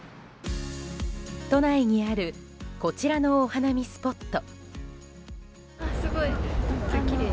都内にあるこちらのお花見スポット。